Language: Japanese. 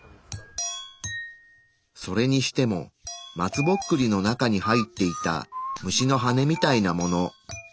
それにしても松ぼっくりの中に入っていた虫の羽みたいなもの。